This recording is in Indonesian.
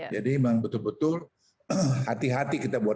jadi memang betul betul hati hati kita buat